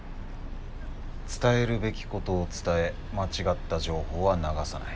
「伝えるべきことを伝え間違った情報は流さない」。